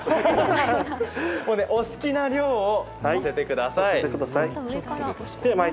お好きな量をのせてください。